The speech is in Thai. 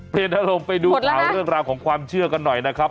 เปลี่ยนอารมณ์ไปดูข่าวเรื่องราวของความเชื่อกันหน่อยนะครับ